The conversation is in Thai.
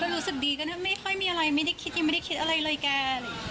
ก็รู้สึกดีไม่ค่อยมีอะไรไม่ได้คิดอะไรเลยแก